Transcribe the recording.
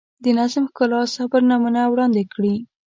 د نظم، ښکلا، صبر نمونه وړاندې کړي.